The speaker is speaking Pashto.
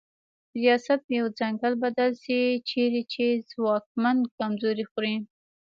ریاست په یو ځنګل بدل سي چیري چي ځواکمن کمزوري خوري